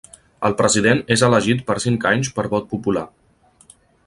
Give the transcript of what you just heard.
El president és elegit per cinc anys per vot popular.